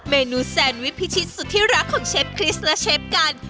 เมนูแซนวิพิชิตสุดที่รักของเชฟคริสและเชฟกัน